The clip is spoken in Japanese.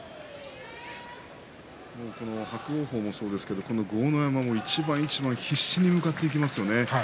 伯桜鵬もそうですが豪ノ山も一番一番、必死に相手に向かっていきますよね。